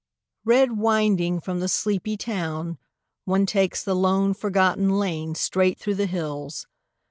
1. Red winding from the sleepy town, One takes the lone, forgotten lane Straight through the hills.